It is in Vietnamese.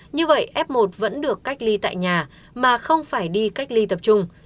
như vậy f một vẫn được cách ly tại nhà mà không phải đi cách ly tập trung